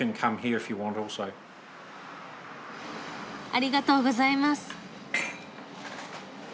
ありがとうございます。